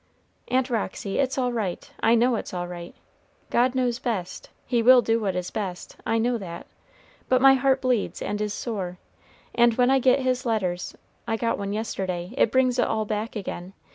"Aunt Roxy, it's all right; I know it's all right. God knows best; He will do what is best; I know that; but my heart bleeds, and is sore. And when I get his letters, I got one yesterday, it brings it all back again.